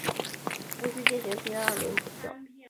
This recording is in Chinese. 无须进行第二轮投票。